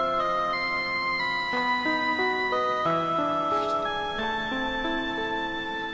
はい。